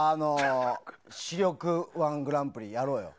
視力‐１グランプリやろうよ。